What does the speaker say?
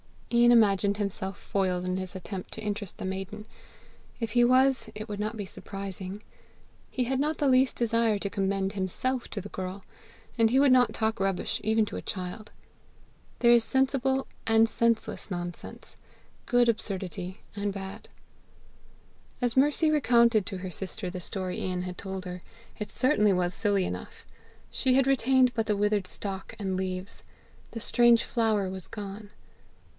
Ian imagined himself foiled in his attempt to interest the maiden. If he was, it would not be surprising. He had not the least desire to commend HIMSELF to the girl; and he would not talk rubbish even to a child. There is sensible and senseless nonsense, good absurdity and bad. As Mercy recounted to her sister the story Ian had told her, it certainly was silly enough. She had retained but the withered stalk and leaves; the strange flower was gone.